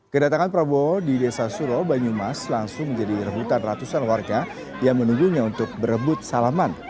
kedatangan prabowo di desa suro banyumas langsung menjadi rebutan ratusan warga yang menunggunya untuk berebut salaman